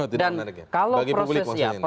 tidak menarik ya bagi pemilik maksudnya ini